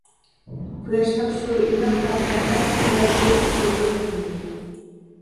قۇياشلىق شۇ ئىللىق تاڭ سەھەر، تۆرەلدى پاك سۆيگۈ بىخلىنىپ.